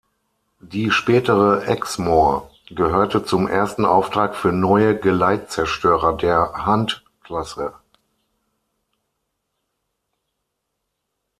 Die spätere "Exmoor" gehörte zum ersten Auftrag für neue Geleitzerstörer der Hunt-Klasse.